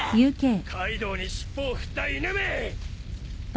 カイドウに尻尾を振った犬め！